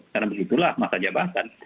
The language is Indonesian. karena begitulah masa saya bahkan